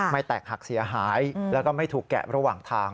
แตกหักเสียหายแล้วก็ไม่ถูกแกะระหว่างทาง